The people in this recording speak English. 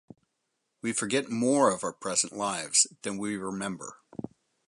We forget more of our present lives than we remember.